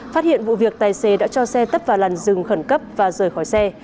phát hiện vụ việc tài xế đã cho xe tấp vào làn rừng khẩn cấp và rời khỏi xe